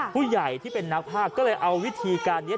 ผู้ใหญ่ที่เป็นนักภาคก็เลยเอาวิธีการนี้